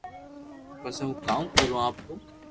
پسي ھون ڪاو ڪرو آپ رون